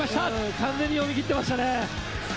完全に読み切っていましたね。